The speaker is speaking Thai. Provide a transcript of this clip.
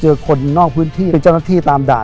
คนนอกพื้นที่เป็นเจ้าหน้าที่ตามด่า